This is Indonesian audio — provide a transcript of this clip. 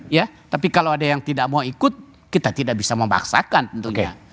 ya tapi kalau ada yang tidak mau ikut kita tidak bisa memaksakan tentunya